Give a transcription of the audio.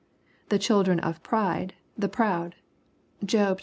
the " children of pride" the proud, Job xli.